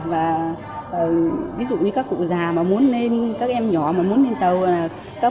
và ví dụ như các cụ già mà muốn lên các em nhỏ mà muốn lên tàu các bạn cũng giúp đỡ để lên tàu